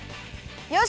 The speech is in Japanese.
よし！